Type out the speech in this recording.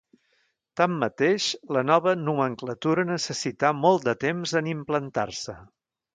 Tanmateix la nova nomenclatura necessità molt de temps en implantar-se.